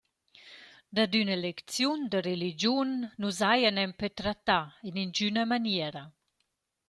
Dad üna lecziun da religiun nu s’haja nempe trattà in ingüna maniera.